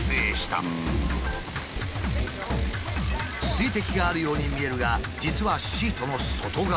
水滴があるように見えるが実はシートの外側。